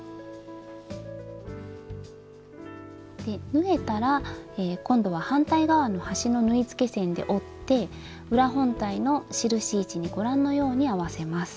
縫えたら今度は反対側の端の縫い付け線で折って裏本体の印位置にご覧のように合わせます。